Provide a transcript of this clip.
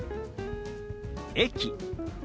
「駅」。